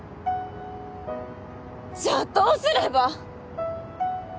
じゃあどうすれば？